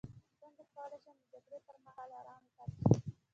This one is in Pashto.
څنګه کولی شم د جګړې پر مهال ارام پاتې شم